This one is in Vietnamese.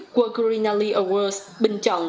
của grinnelly awards bình chọn